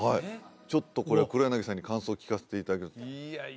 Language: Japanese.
ちょっとこれ黒柳さんに感想聞かせていただきます